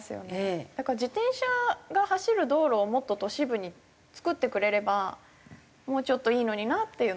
だから自転車が走る道路をもっと都市部に作ってくれればもうちょっといいのになっていうのは。